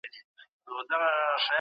په لاره کي دوی د کومو ستونزو سره مخ سول؟